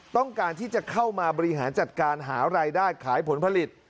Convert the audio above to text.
ต้องการที่จะเข้ามาบริหารจัดการหารายได้ขายผลผลิต